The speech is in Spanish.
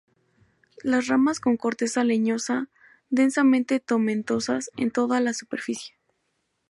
Las ramas con corteza leñosa, densamente tomentosas en toda la superficie.